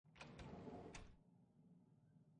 Principalmente un coleccionista.